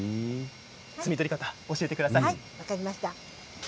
摘み取り方を教えてください。